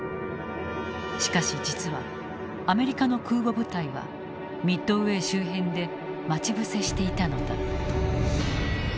しかし実はアメリカの空母部隊はミッドウェー周辺で待ち伏せしていたのだ。